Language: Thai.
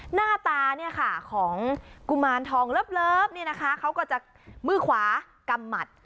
หน้าตาเนี่ยค่ะของกุมารทองเลิฟเนี่ยนะคะเขาก็จะมือขวากำหมัด